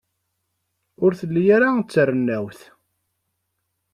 Ur telli ara d tarennawt.